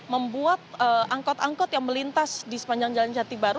membuat angkot angkot yang melintas di sepanjang jalan jati baru